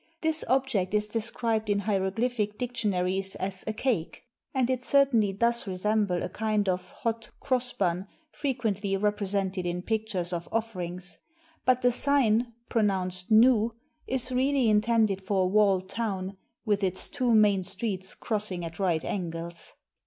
This object is described in hieroglyphic diction aries as a "cake," audit certainly does resemble a kind of hot cross bun frequently represented in pictures of offer ings; but the sign (pronounced nu) is really intended for a walled town, with its two main streets crossing at right angles.